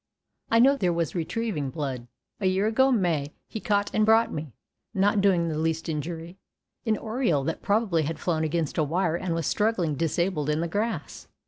I know there was retrieving blood. A year ago May he caught and brought me, not doing the least injury, an oriole that probably had flown against a wire and was struggling disabled in the grass.